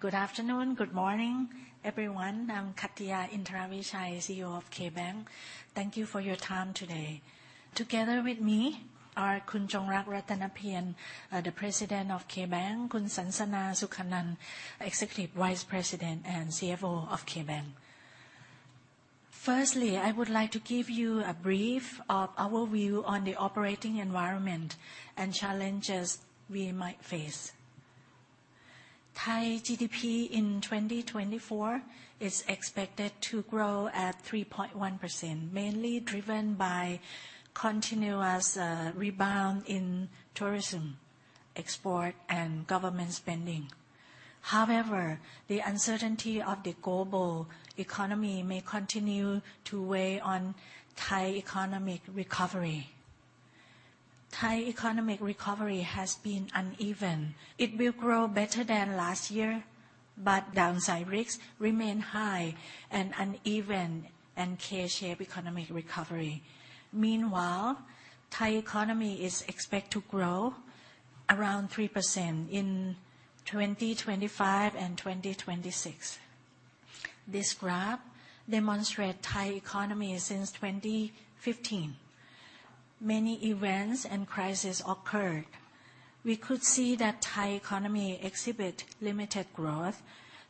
Good afternoon, good morning, everyone. I'm Kattiya Indaravijaya, CEO of KBank. Thank you for your time today. Together with me are Khun Chongrak Rattanapian, the President of KBank, Khun Sansana Sukhanunth, Executive Vice President and CFO of KBank. Firstly, I would like to give you a brief of our view on the operating environment and challenges we might face. Thai GDP in 2024 is expected to grow at 3.1%, mainly driven by continuous rebound in tourism, export, and government spending. However, the uncertainty of the global economy may continue to weigh on Thai economic recovery. Thai economic recovery has been uneven. It will grow better than last year, but downside risks remain high and uneven and K-shaped economic recovery. Meanwhile, Thai economy is expected to grow around 3% in 2025 and 2026. This graph demonstrate Thai economy since 2015. Many events and crises occurred. We could see that Thai economy exhibit limited growth.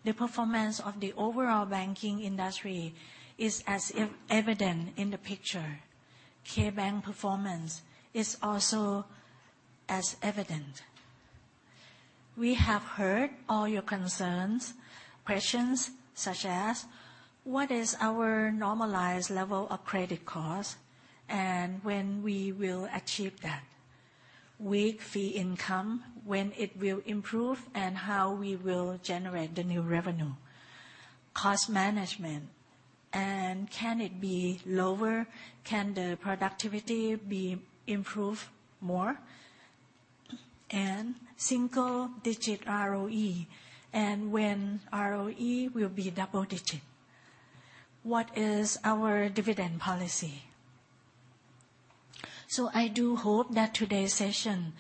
The performance of the overall banking industry is as evident in the picture. KBank performance is also as evident. We have heard all your concerns, questions, such as: What is our normalized level of credit cost, and when we will achieve that? Weak fee income, when it will improve, and how we will generate the new revenue? Cost management, and can it be lower? Can the productivity be improved more? And single-digit ROE, and when ROE will be double-digit? What is our dividend policy? So I do hope that today's session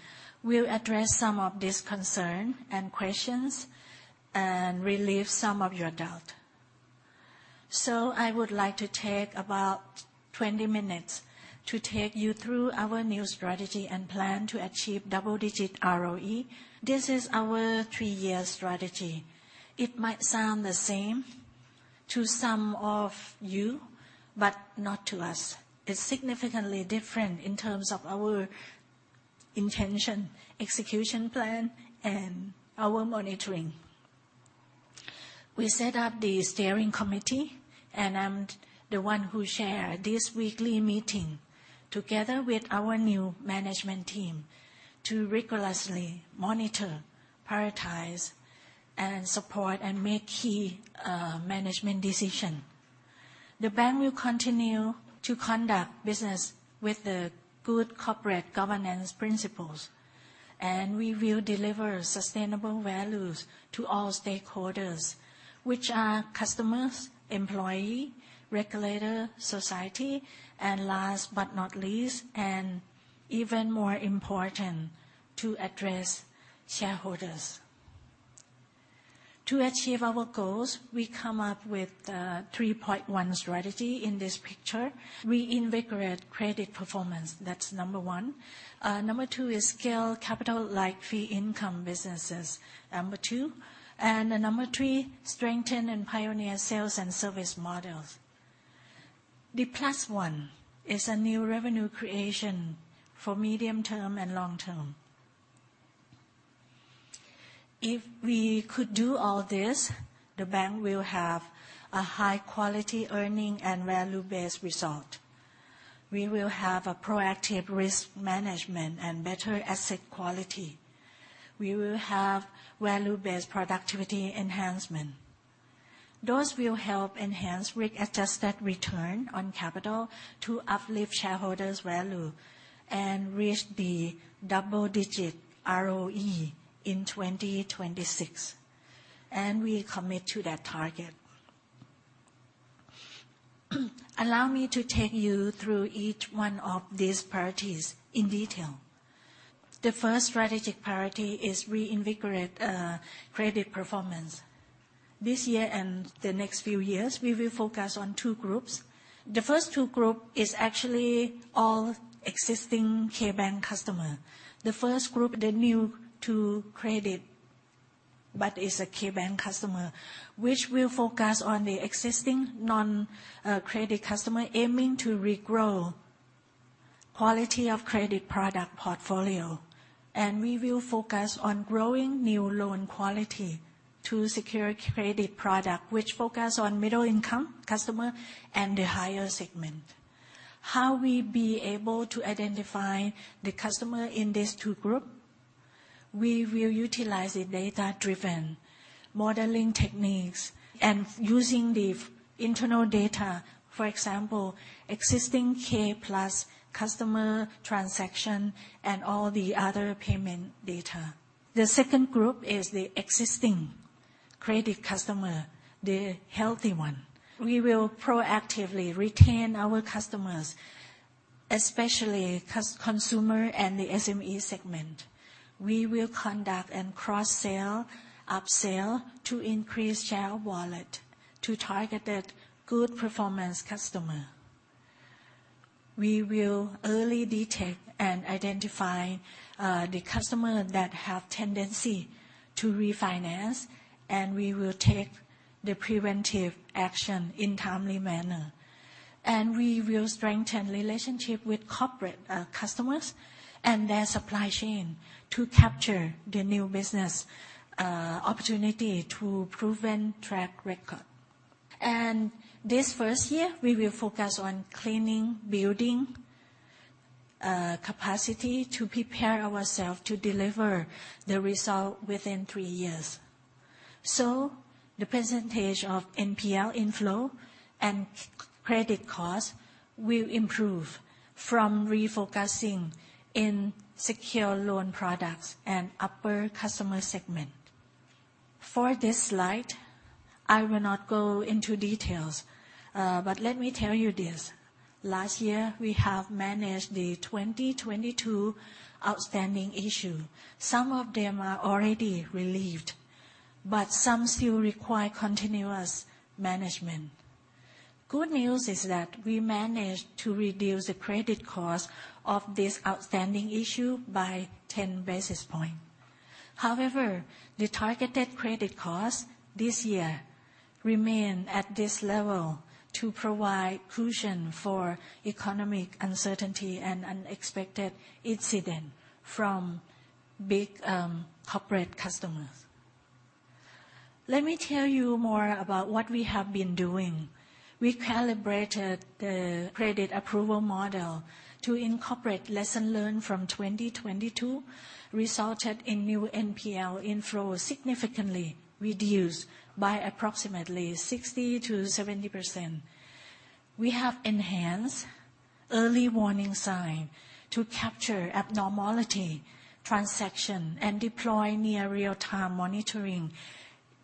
will address some of this concern and questions, and relieve some of your doubt. So I would like to take about 20 minutes to take you through our new strategy and plan to achieve double-digit ROE. This is our three-year strategy. It might sound the same to some of you, but not to us. It's significantly different in terms of our intention, execution plan, and our monitoring. We set up the steering committee, and I'm the one who chair this weekly meeting, together with our new management team, to rigorously monitor, prioritize, and support, and make key management decision. The bank will continue to conduct business with the good corporate governance principles, and we will deliver sustainable values to all stakeholders, which are customers, employee, regulator, society, and last but not least, and even more important, to address shareholders. To achieve our goals, we come up with the 3+1 strategy in this picture. Reinvigorate credit performance, that's number one. Number two is scale capital like fee income businesses, number two. And number three, strengthen and pioneer sales and service models. The +1 is a new revenue creation for medium term and long term. If we could do all this, the bank will have a high-quality earning and value-based result. We will have a proactive risk management and better asset quality. We will have value-based productivity enhancement. Those will help enhance risk-adjusted return on capital to uplift shareholders' value and reach the double-digit ROE in 2026, and we commit to that target. Allow me to take you through each one of these priorities in detail. The first strategic priority is reinvigorate credit performance. This year and the next few years, we will focus on two groups. The first two group is actually all existing KBank customer. The first group, the new to credit, but is a KBank customer, which will focus on the existing non credit customer, aiming to regrow quality of credit product portfolio. And we will focus on growing new loan quality to secure credit product, which focus on middle-income customer and the higher segment. How we be able to identify the customer in these two group? We will utilize the data-driven modeling techniques and using the internal data. For example, existing K PLUS customer transaction and all the other payment data. The second group is the existing credit customer, the healthy one. We will proactively retain our customers, especially consumer and the SME segment. We will conduct and cross-sell, up-sell to increase share of wallet to targeted good performance customer. We will early detect and identify, the customer that have tendency to refinance, and we will take the preventive action in timely manner. And we will strengthen relationship with corporate, customers and their supply chain to capture the new business, opportunity to proven track record. This first year, we will focus on cleaning, building, capacity to prepare ourselves to deliver the result within three years. The percentage of NPL inflow and credit costs will improve from refocusing in secure loan products and upper customer segment. For this slide, I will not go into details, but let me tell you this. Last year, we have managed the 2022 outstanding issue. Some of them are already relieved, but some still require continuous management. Good news is that we managed to reduce the credit cost of this outstanding issue by 10 basis point. However, the targeted credit cost this year remain at this level to provide cushion for economic uncertainty and unexpected incident from big, corporate customers. Let me tell you more about what we have been doing. We calibrated the credit approval model to incorporate lesson learned from 2022, resulted in new NPL inflow significantly reduced by approximately 60%-70%. We have enhanced early warning sign to capture abnormality transaction and deploy near real-time monitoring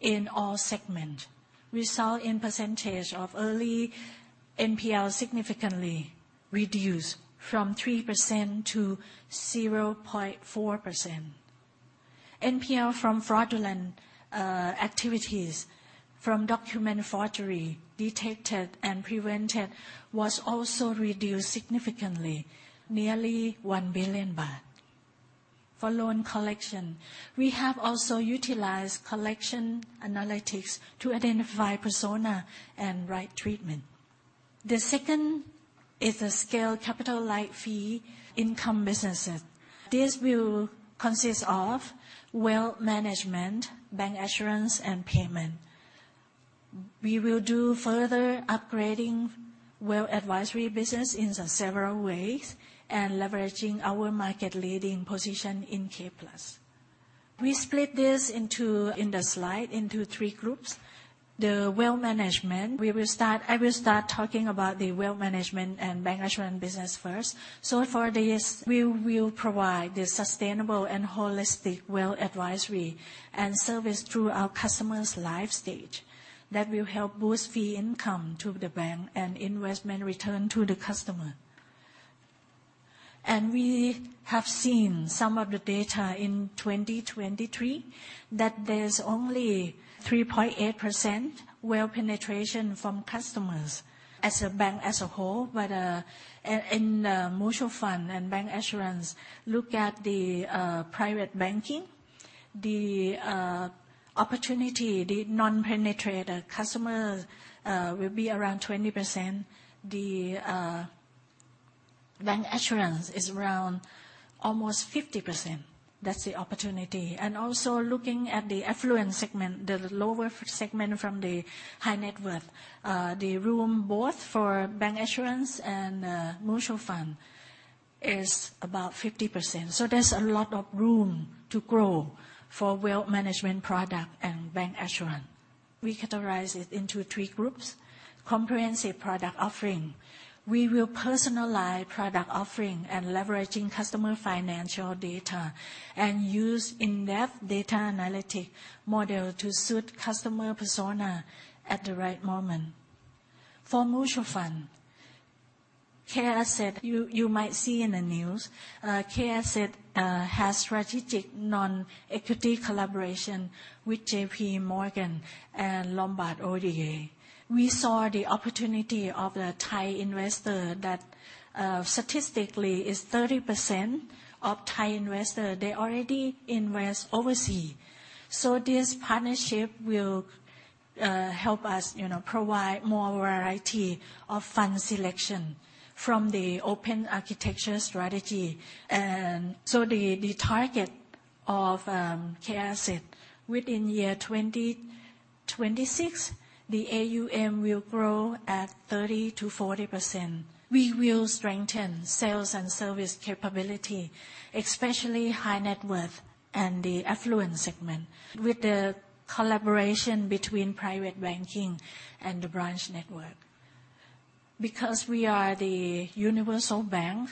in all segment, result in percentage of early NPL significantly reduced from 3% to 0.4%. NPL from fraudulent, activities, from document forgery, detected and prevented was also reduced significantly, nearly 1 billion baht. For loan collection, we have also utilized collection analytics to identify persona and right treatment. The second is a scale capital-light fee income businesses. This will consist of wealth management, bancassurance, and payment. We will do further upgrading wealth advisory business in several ways and leveraging our market leading position in K PLUS. We split this into-- in the slide, into three groups. I will start talking about the wealth management and bank management business first. So for this, we will provide the sustainable and holistic wealth advisory and service through our customer's life stage that will help boost fee income to the bank and investment return to the customer. We have seen some of the data in 2023, that there's only 3.8% wealth penetration from customers as a bank as a whole. But in mutual fund and bank assurance, look at the private banking, the opportunity, the non-penetrated customers will be around 20%. The bank assurance is around almost 50%. That's the opportunity. And also looking at the affluent segment, the lower segment from the high net worth, the room both for bank assurance and mutual fund is about 50%. So there's a lot of room to grow for wealth management product and bank assurance. We categorize it into three groups. Comprehensive product offering. We will personalize product offering and leveraging customer financial data, and use in-depth data analytic model to suit customer persona at the right moment. For mutual fund, KAsset, you might see in the news. KAsset has strategic non-equity collaboration with JPMorgan and Lombard Odier. We saw the opportunity of the Thai investor that statistically is 30% of Thai investor, they already invest overseas. So this partnership will help us, you know, provide more variety of fund selection from the open architecture strategy. So the target of KAsset within 2026, the AUM will grow at 30%-40%. We will strengthen sales and service capability, especially high net worth and the affluent segment, with the collaboration between private banking and the branch network. Because we are the universal bank,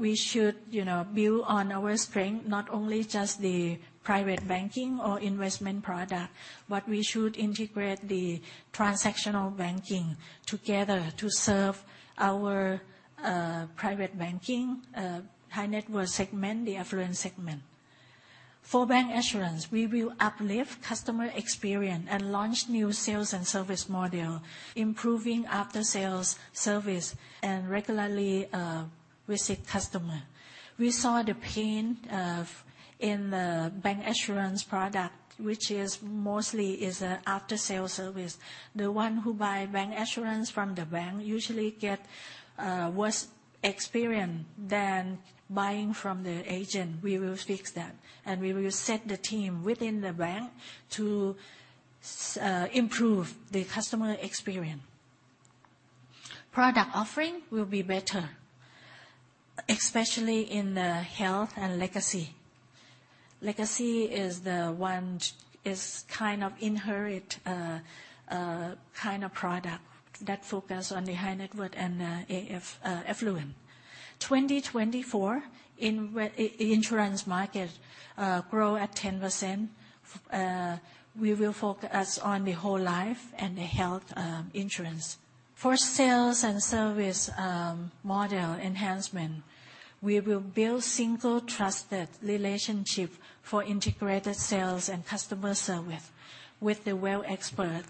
we should, you know, build on our strength, not only just the private banking or investment product, but we should integrate the transactional banking together to serve our private banking, high net worth segment, the affluent segment. For bank assurance, we will uplift customer experience and launch new sales and service model, improving after-sales service and regularly visit customer. We saw the pain of in the bank assurance product, which is mostly is a after-sale service. The one who buy bank assurance from the bank usually get worse experience than buying from the agent. We will fix that, and we will set the team within the bank to improve the customer experience. Product offering will be better, especially in the health and legacy. Legacy is the one which is kind of inherent, kind of product that focus on the high net worth and affluent. 2024, in the insurance market, grow at 10%, we will focus on the whole life and the health, insurance. For sales and service, model enhancement, we will build single trusted relationship for integrated sales and customer service with the wealth expert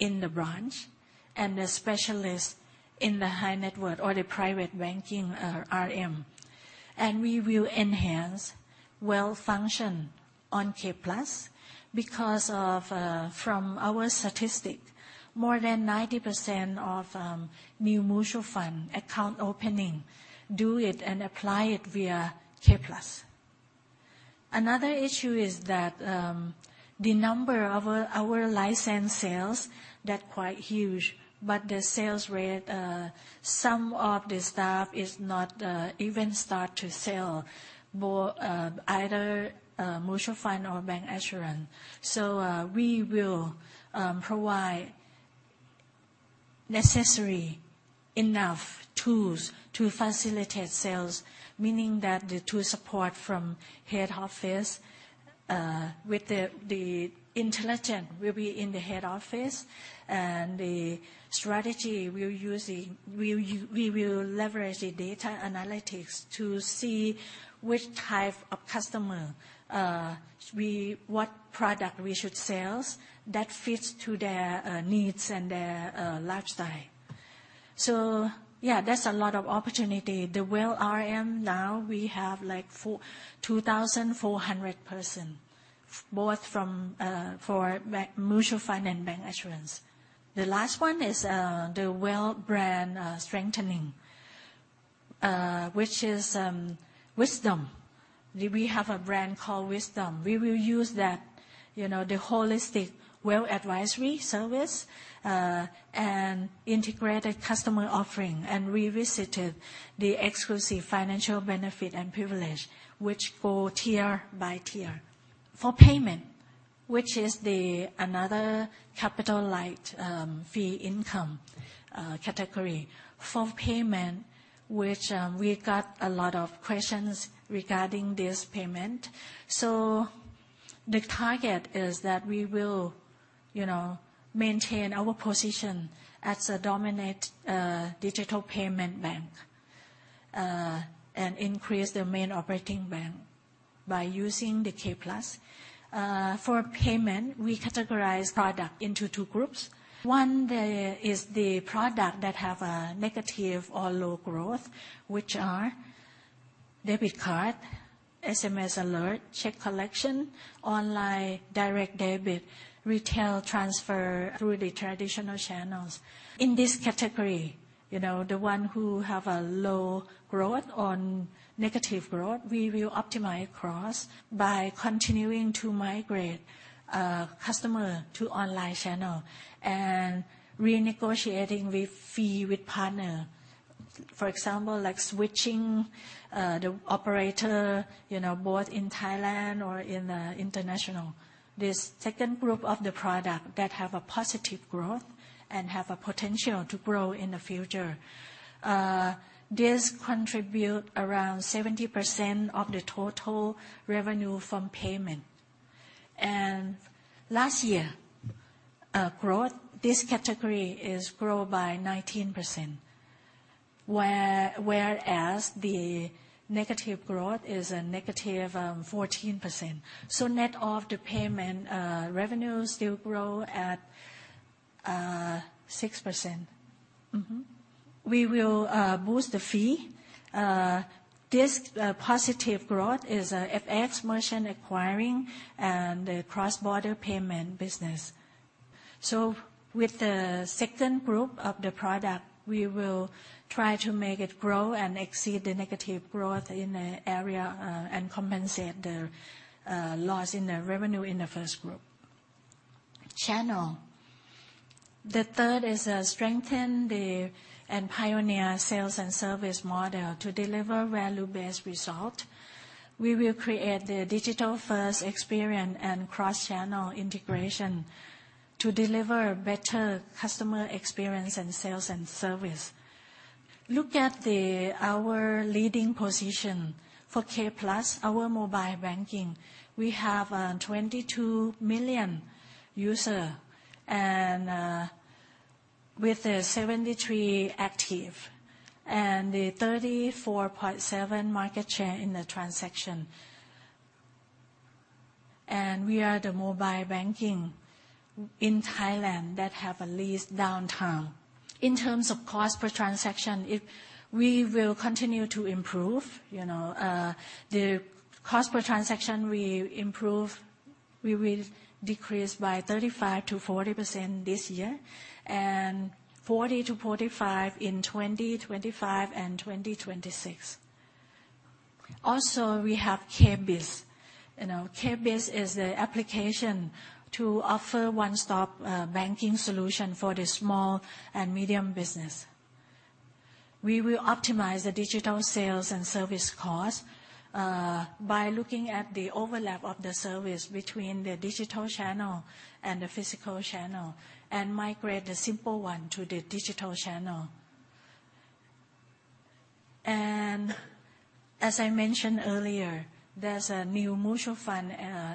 in the branch, and the specialist in the high net worth or the private banking RM. And we will enhance wealth function on K PLUS, because of, from our statistic, more than 90% of new mutual fund account opening do it and apply it via K PLUS. Another issue is that the number of our licensed sales, they're quite huge, but the sales rate, some of the staff is not even start to sell either mutual fund or bank assurance. So we will provide necessary enough tools to facilitate sales, meaning that the tool support from head office with the intelligent will be in the head office. And the strategy we're using, we will leverage the data analytics to see which type of customer we what product we should sell that fits to their needs and their lifestyle. So yeah, that's a lot of opportunity. The wealth RM now we have like 2,400 person, both from for bank mutual fund and bank assurance. The last one is the wealth brand strengthening, which is WISDOM. We, we have a brand called WISDOM. We will use that, you know, the holistic wealth advisory service and integrated customer offering, and revisited the exclusive financial benefit and privilege, which go tier by tier. For payment, which is the another capital light fee income category. For payment, which we got a lot of questions regarding this payment. So the target is that we will, you know, maintain our position as a dominant digital payment bank and increase the main operating bank by using the K PLUS. For payment, we categorize product into two groups. One is the product that have a negative or low growth, which are debit card, SMS alert, check collection, online direct debit, retail transfer through the traditional channels. In this category, you know, the one who have a low growth or negative growth, we will optimize costs by continuing to migrate customer to online channel and renegotiating with fee with partner. For example, like switching the operator, you know, both in Thailand or in the international. This second group of the product that have a positive growth and have a potential to grow in the future, this contribute around 70% of the total revenue from payment. And last year, growth, this category is grow by 19%, whereas the negative growth is a -14%. So net of the payment revenue still grow at 6%. Mm-hmm. We will boost the fee. This positive growth is FX merchant acquiring and the cross-border payment business. So with the second group of the product, we will try to make it grow and exceed the negative growth in the area, and compensate the, loss in the revenue in the first group channel. The third is, strengthen the, and pioneer sales and service model to deliver value-based result. We will create the digital-first experience and cross-channel integration to deliver better customer experience and sales and service. Look at the, our leading position for K PLUS, our mobile banking. We have, twenty-two million user, and, with a 73 active, and a 34.7 market share in the transaction. And we are the mobile banking in Thailand that have the least downtime. In terms of cost per transaction, we will continue to improve, you know. The cost per transaction we improve, we will decrease by 35%-40% this year, and 40%-45% in 2025 and 2026. Also, we have K BIZ. You know, K BIZ is the application to offer one-stop banking solution for the small and medium business. We will optimize the digital sales and service cost by looking at the overlap of the service between the digital channel and the physical channel, and migrate the simple one to the digital channel. And as I mentioned earlier, there's a new mutual fund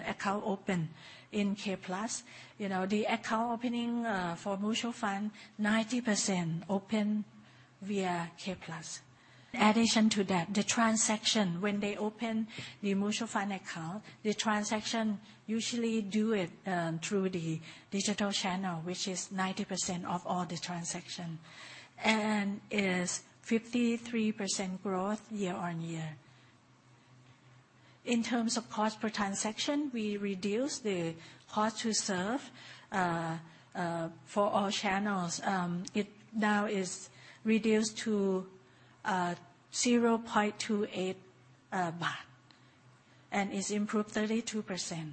account open in K PLUS. You know, the account opening for mutual fund, 90% open via K PLUS. In addition to that, the transaction, when they open the mutual fund account, the transaction usually do it through the digital channel, which is 90% of all the transaction, and is 53% growth year-on-year. In terms of cost per transaction, we reduce the cost to serve for all channels. It now is reduced to 0.28 baht, and it's improved 32%.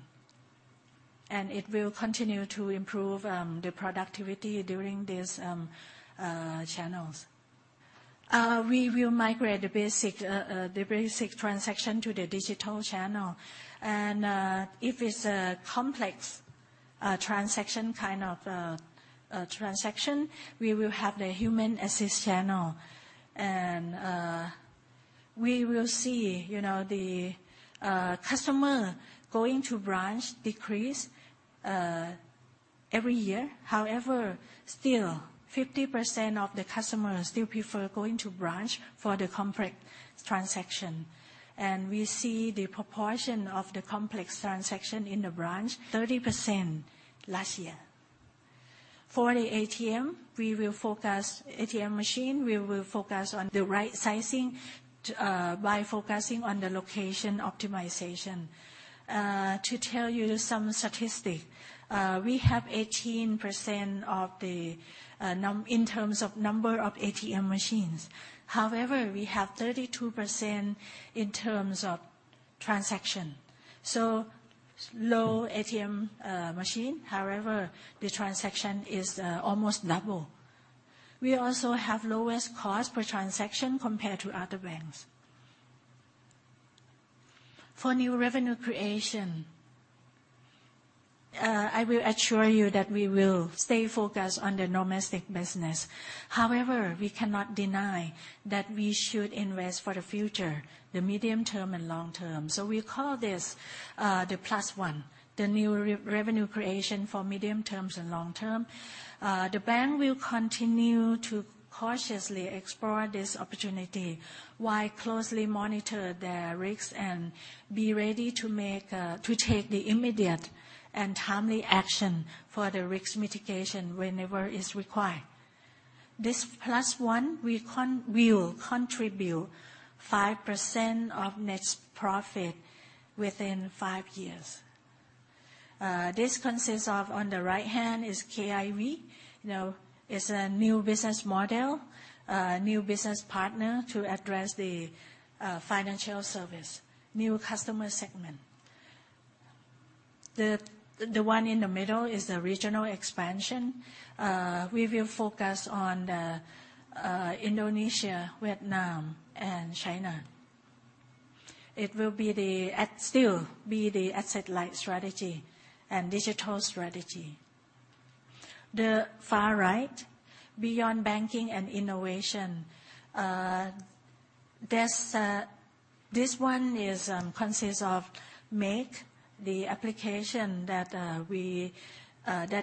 And it will continue to improve the productivity during these channels. We will migrate the basic transaction to the digital channel, and if it's a complex transaction, kind of a transaction, we will have the human assist channel. And we will see, you know, the customer going to branch decrease every year. However, still, 50% of the customers still prefer going to branch for the complex transaction, and we see the proportion of the complex transaction in the branch, 30% last year. For the ATM machine, we will focus on the right sizing by focusing on the location optimization. To tell you some statistic, we have 18% in terms of number of ATM machines. However, we have 32% in terms of transaction. So low ATM machine, however, the transaction is almost double. We also have lowest cost per transaction compared to other banks. For new revenue creation, I will assure you that we will stay focused on the domestic business. However, we cannot deny that we should invest for the future, the medium term and long term. So we call this the +1, the new revenue creation for medium terms and long term. The bank will continue to cautiously explore this opportunity, while closely monitor the risks, and be ready to take the immediate and timely action for the risk mitigation whenever is required. This +1 will contribute 5% of net profit within five years. This consists of, on the right hand, is KIV. You know, it's a new business model, a new business partner to address the financial service, new customer segment. The one in the middle is the regional expansion. We will focus on the Indonesia, Vietnam, and China. It will be still the asset-light strategy and digital strategy. The far right, beyond banking and innovation, there's this one consists of make the application that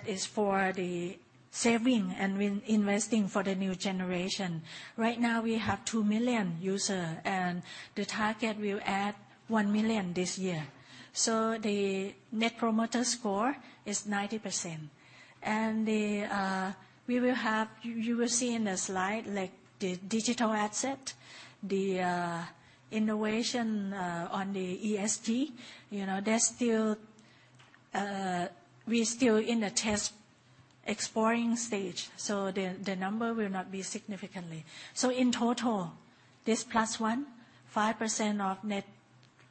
is for the saving and investing for the new generation. Right now, we have two million user, and the target will add one million this year. So the Net Promoter Score is 90%. And we will have. you will see in the slide, like, the digital asset, the innovation on the ESG. You know, there's still, we're still in the test exploring stage, so the number will not be significantly. So in total, this +1, 5% of net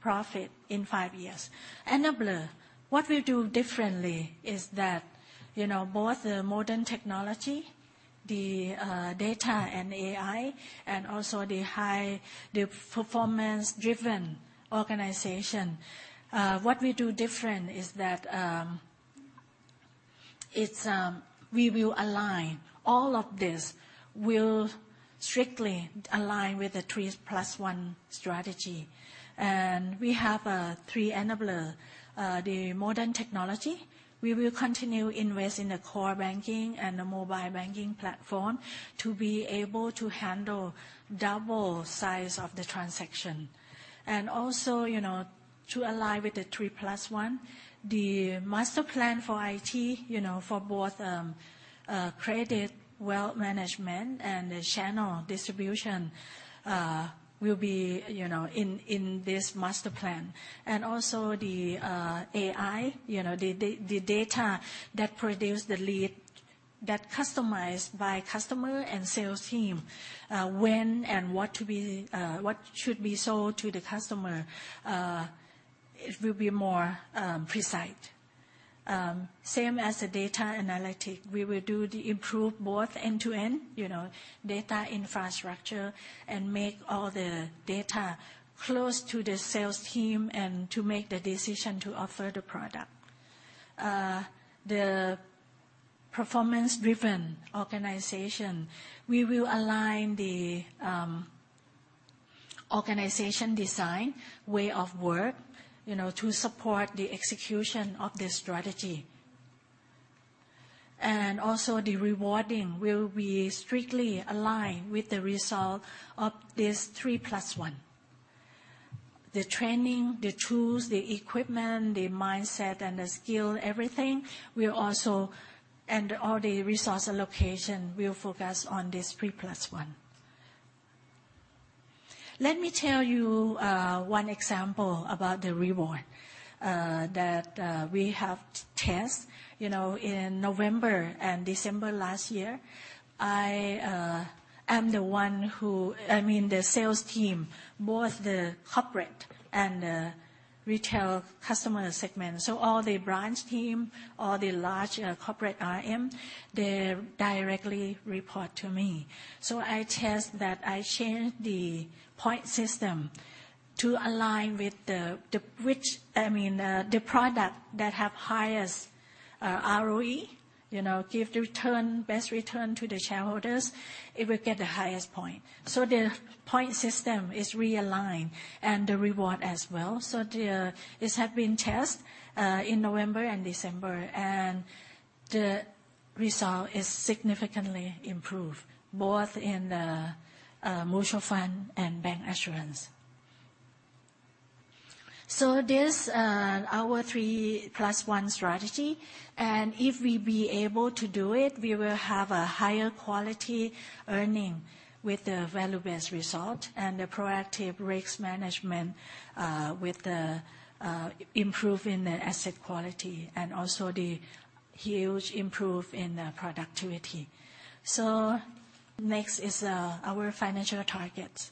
profit in five years. Enabler, what we do differently is that, you know, both the modern technology, the data and AI, and also the high performance-driven organization. What we do different is that, it's, we will align. All of this will strictly align with the 3+1 strategy. And we have, three enabler. The modern technology, we will continue invest in the core banking and the mobile banking platform to be able to handle double size of the transaction. And also, you know, to align with the 3+1, the master plan for IT, you know, for both, credit, wealth management, and the channel distribution, will be, you know, in, in this master plan. And also the, AI, you know, the, the, the data that produce the lead, that customized by customer and sales team, when and what to be, what should be sold to the customer, it will be more, precise. Same as the data analytic. We will do the improve both end-to-end, you know, data infrastructure, and make all the data close to the sales team and to make the decision to offer the product. The performance-driven organization, we will align the organization design, way of work, you know, to support the execution of the strategy. And also the rewarding will be strictly aligned with the result of this 3+1. The training, the tools, the equipment, the mindset, and the skill, everything, we are also, and all the resource allocation will focus on this 3+1. Let me tell you one example about the reward that we have test, you know, in November and December last year. I am the one who, I mean, the sales team, both the corporate and the retail customer segment. So all the branch team, all the large, corporate RM, they directly report to me. So I test that I change the point system to align with the, I mean, the product that have highest, ROE, you know, give the return, best return to the shareholders, it will get the highest point. So the point system is realigned, and the reward as well. So this have been test in November and December, and the result is significantly improved, both in the mutual fund and bank assurance. So this our 3+1 strategy, and if we be able to do it, we will have a higher quality earning with the value-based result, and a proactive risk management with the improving the asset quality, and also the huge improve in the productivity. So next is our financial targets.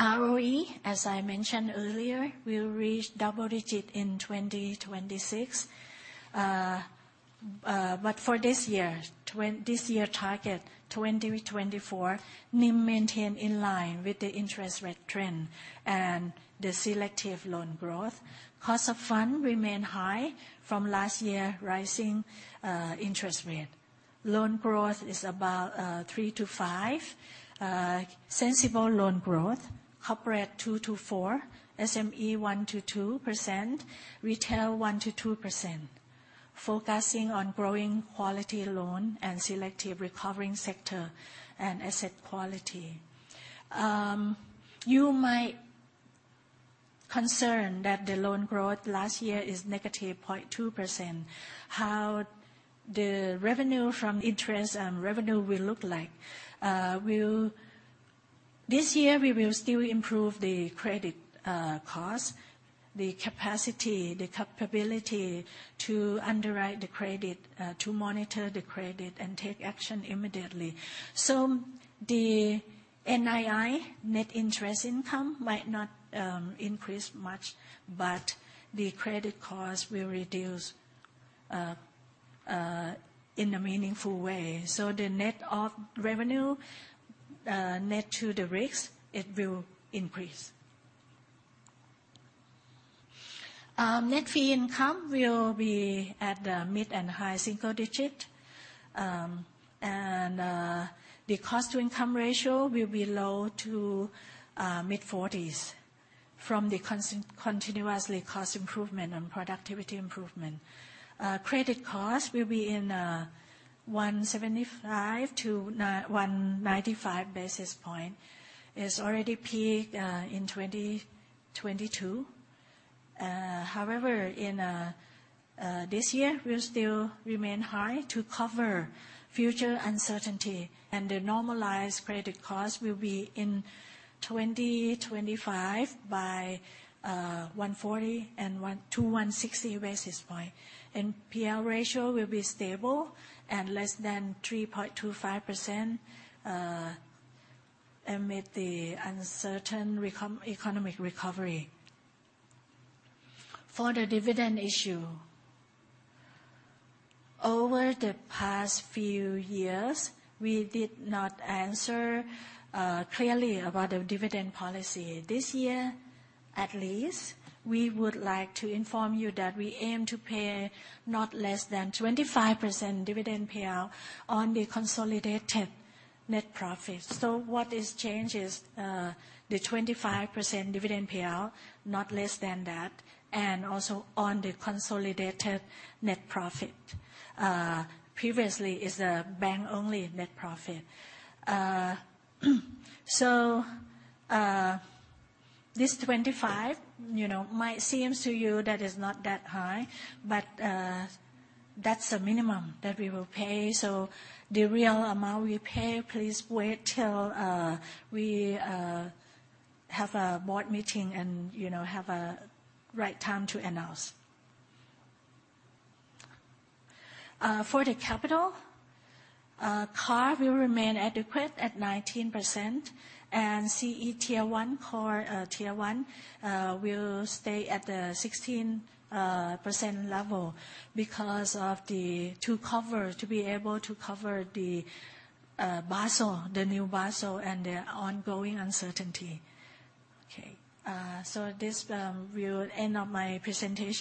ROE, as I mentioned earlier, will reach double digit in 2026. But for this year, this year target 2024, NIM maintain in line with the interest rate trend and the selective loan growth. Cost of fund remain high from last year, rising interest rate. Loan growth is about 3%-5%, sensible loan growth, corporate 2%-4%, SME 1%-2%, retail 1%-2%. Focusing on growing quality loan and selective recovering sector and asset quality. You might concern that the loan growth last year is -0.2%. How the revenue from interest and revenue will look like? This year we will still improve the credit cost, the capacity, the capability to underwrite the credit, to monitor the credit and take action immediately. So the NII, net interest income, might not increase much, but the credit cost will reduce in a meaningful way. So the net of revenue net to the risk, it will increase. Net fee income will be at the mid- and high-single-digit. And the cost-to-income ratio will be low- to mid-40s from the continuous cost improvement and productivity improvement. Credit cost will be in 175-195 basis points, is already peak in 2022. However, in this year will still remain high to cover future uncertainty, and the normalized credit cost will be in 2025 by 140-160 basis points. NPL ratio will be stable and less than 3.25% amid the uncertain economic recovery. For the dividend issue, over the past few years, we did not answer clearly about the dividend policy. This year, at least, we would like to inform you that we aim to pay not less than 25% dividend payout on the consolidated net profit. So what is changed is the 25% dividend payout, not less than that, and also on the consolidated net profit. Previously is a bank-only net profit. So this 25%, you know, might seems to you that is not that high, but that's a minimum that we will pay. So the real amount we pay, please wait till we have a board meeting and, you know, have a right time to announce. For the capital, CAR will remain adequate at 19%, and CET1, core Tier 1, will stay at the 16% level because of the... to cover, to be able to cover the Basel, the new Basel, and the ongoing uncertainty. Okay, so this will end of my presentation.